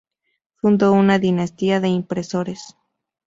Fundó una dinastía de impresores.